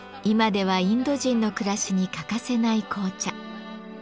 今ではインド人の暮らしに欠かせない紅茶。